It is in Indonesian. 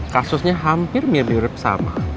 kasusnya hampir mirip sama